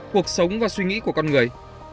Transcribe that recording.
cuộc sống và suy nghĩ của con người